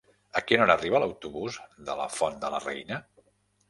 A quina hora arriba l'autobús de la Font de la Reina?